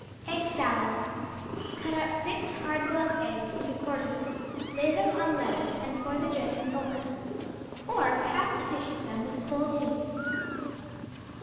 Egg Salad Cut up six hard boiled eggs into quarters, lay them on lettuce, and pour the dressing over. Or pass a dish of them with cold meat.